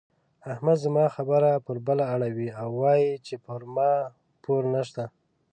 احمد زما خبره پر بله اړوي او وايي چې پر ما پور نه شته.